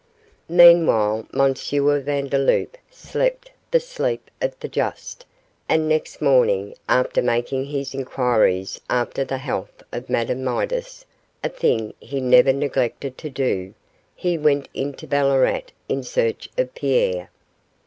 Meanwhile, M. Vandeloup slept the sleep of the just, and next morning, after making his inquiries after the health of Madame Midas a thing he never neglected to do he went into Ballarat in search of Pierre.